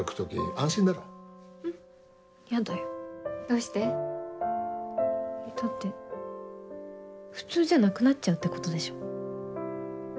安心だろだって普通じゃなくなっちゃうってことでしょ？